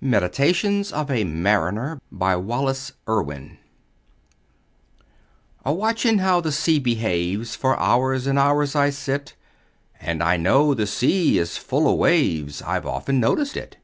MEDITATIONS OF A MARINER BY WALLACE IRWIN A watchin' how the sea behaves For hours and hours I sit; And I know the sea is full o' waves I've often noticed it.